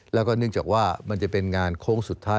แล้วก็เนื่องจากว่ามันจะเป็นงานโค้งสุดท้าย